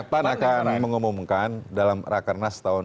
pan akan mengumumkan dalam rakernas tahun dua ribu